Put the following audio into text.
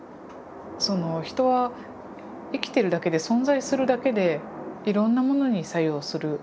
人は生きてるだけで存在するだけでいろんなものに作用する。